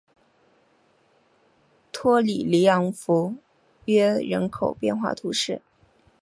托里尼昂弗约人口变化图示